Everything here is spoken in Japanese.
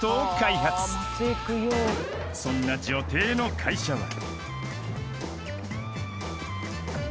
［そんな女帝の会社は］